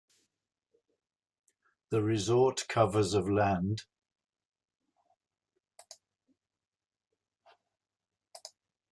The resort covers of land.